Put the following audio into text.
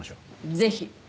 ぜひ。